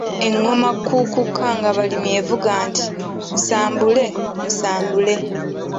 "Engoma Kuukukkangabalimi evuga nti “Musambule, musambule.”"